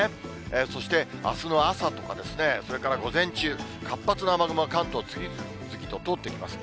そしてあすの朝とかそれから午前中、活発な雨雲、関東次々と通っていきます。